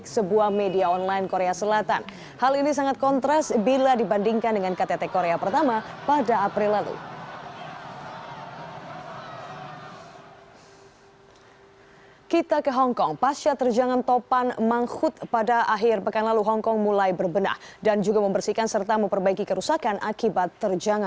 sejumlah pekerja mulai menanggapi penyakit